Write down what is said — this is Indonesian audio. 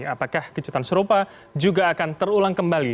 apakah kejutan serupa juga akan terulang kembali